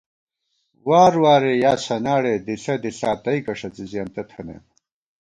وار وارے یا سناڑے دِݪہ دِݪا تئیکہ ݭڅی زېنتہ تھنَئیم